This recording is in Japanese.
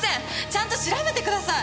ちゃんと調べてください！